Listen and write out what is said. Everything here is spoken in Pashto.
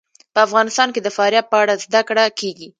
په افغانستان کې د فاریاب په اړه زده کړه کېږي.